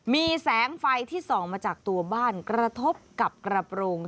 มีแสงไฟที่ส่องมาจากตัวบ้านกระทบกับกระโปรง